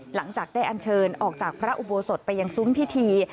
หลังจากได้อันเชิญออกจากพระอุโบสถไปยังซุ้มพิธี